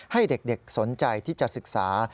ให้เด็กสนใจที่จะศึกษา